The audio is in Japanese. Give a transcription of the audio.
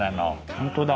本当だ。